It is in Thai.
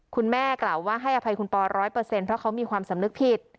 คุณแม่กล่าวว่าให้อภัยคุณปอ๑๐๐เพราะเขามีความสำนึกผิด